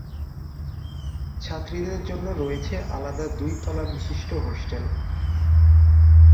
ছাত্রীদের জন্য রয়েছে আলাদা দুই তলা বিশিষ্ট হোস্টেল।